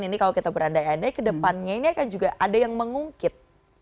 ini kalau kita berandai andai kedepannya ini akan juga ada yang mengungkit